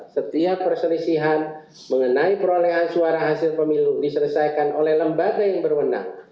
setiap perselisihan mengenai perolehan suara hasil pemilu diselesaikan oleh lembaga yang berwenang